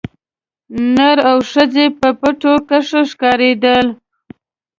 نر او ښځي په پټو کښي ښکارېدل